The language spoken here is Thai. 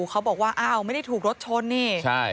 เขาบอกว่าอ้าวไม่ได้ถูกรถชนนี่ใช่